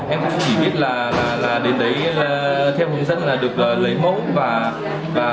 em cũng chỉ biết là đến đấy theo hướng dẫn là được lấy mẫu và nộp một trăm linh để được kết quả